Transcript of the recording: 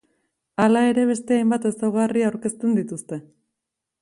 Hala ere beste hainbat ezaugarri aurkezten dituzte.